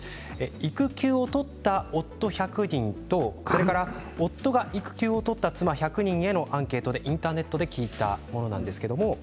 育休を取った夫１００人と夫が育休を取った妻１００人へのアンケートインターネットで聞いたものです。